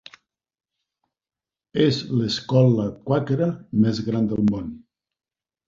És l'escola quàquera més gran del món.